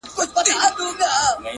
هسې نه ستا آتسي زلفې زما بشر ووهي”